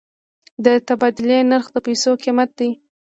د تبادلې نرخ د پیسو قیمت دی.